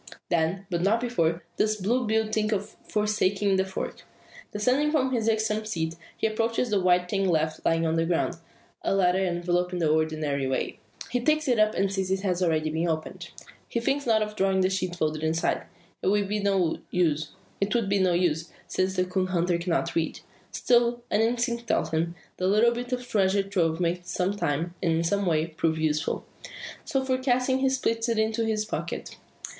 Then, but not before, does Blue Bill think of forsaking the fork. Descending from his irksome seat, he approaches the white thing left lying on the ground a letter enveloped in the ordinary way. He takes it up, and sees it has been already opened. He thinks not of drawing out the sheet folded inside. It would be no use; since the coon hunter cannot read. Still, an instinct tells him, the little bit of treasure trove may some time, and in some way, prove useful. So forecasting, he slips it into his pocket.